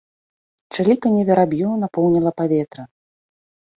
Чыліканне вераб'ёў напоўніла паветра.